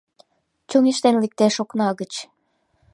Чоҥештен лектеш окна гыч